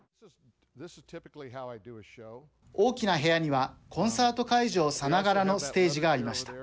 大きな部屋にはコンサート会場さながらのステージがありました。